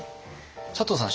佐藤さん